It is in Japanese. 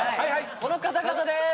この方々です！